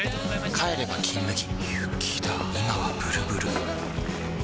帰れば「金麦」